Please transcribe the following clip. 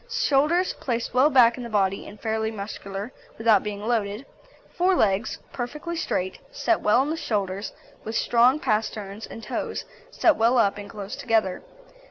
SHOULDERS Placed well back in the body, and fairly muscular, without being loaded. FORE LEGS Perfectly straight, set well into the shoulders, with strong pasterns and toes set well up and close together.